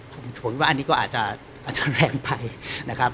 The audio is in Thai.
ผมถือว่าอันนี้ก็อาจจะแรงไปนะครับ